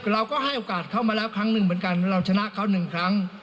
เราก็ให้โอกาสเขามาแล้วครั้งหนึ่งเหมือนกันเราชนะเขาหนึ่งครั้ง